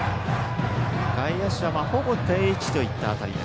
外野手はほぼ定位置といった辺り。